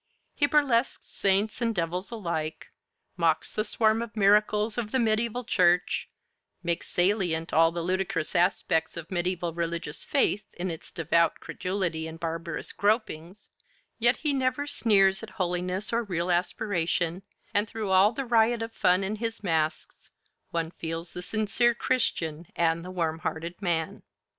He burlesques saints and devils alike, mocks the swarm of miracles of the mediaeval Church, makes salient all the ludicrous aspects of mediaeval religious faith in its devout credulity and barbarous gropings; yet he never sneers at holiness or real aspiration, and through all the riot of fun in his masques, one feels the sincere Christian and the warm hearted man.